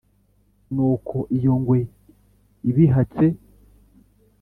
nuko iyo ngwe ibihatse